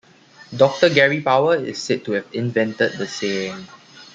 Doctor Gary Power is said to have invented the saying.